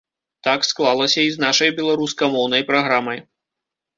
Так склалася і з нашай беларускамоўнай праграмай.